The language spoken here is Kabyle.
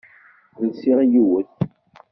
Lsiɣ yiwet.